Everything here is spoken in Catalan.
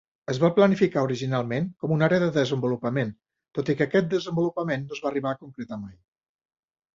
Es va planificar originalment com una àrea de desenvolupament, tot i que aquest desenvolupament no es va arribar a concretar mai.